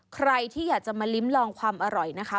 ใครที่อยากจะมาลิ้มลองความอร่อยนะคะ